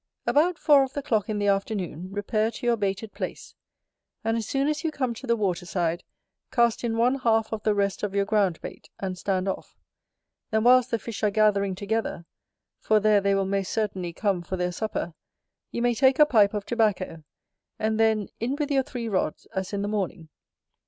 About four of the clock in the afternoon repair to your baited place; and as soon as you come to the water side, cast in one half of the rest of your ground bait, and stand off; then whilst the fish are gathering together, for there they will most certainly come for their supper, you may take a pipe of tobacco: and then, in with your three rods, as in the morning.